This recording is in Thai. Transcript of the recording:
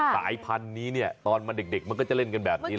สายพันธุ์นี้เนี่ยตอนมาเด็กมันก็จะเล่นกันแบบนี้นะ